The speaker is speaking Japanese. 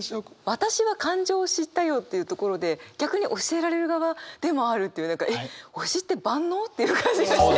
「私は感情を知ったよ」っていうところで逆に教えられる側でもあるっていうえっ推しって万能？という感じがして。